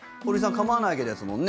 構わないわけですもんね。